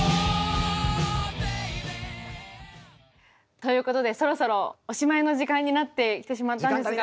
ということでそろそろおしまいの時間になってきてしまったんですが。